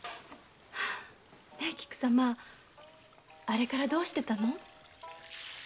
ねえ菊様あれからどうしてたの？